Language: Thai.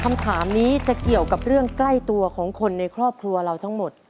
คำถามนี้จะเกี่ยวกับเรื่องใกล้ตัวของคนในครอบครัวเราทั้งหมด